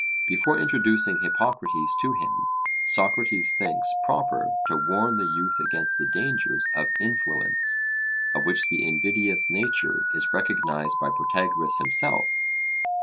Before introducing Hippocrates to him, Socrates thinks proper to warn the youth against the dangers of 'influence,' of which the invidious nature is recognized by Protagoras himself.